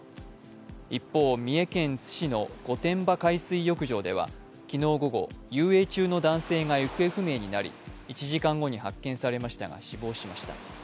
一方、三重県津市の御殿場海水浴場では昨日午後、遊泳中の男性が行方不明になり１時間後に発見されましたが死亡しました。